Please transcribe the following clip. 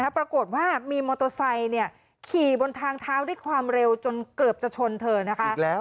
ปรากฏว่ามีมอเตอร์ไซค์ขี่บนทางเท้าด้วยความเร็วจนเกือบจะชนเธอนะคะ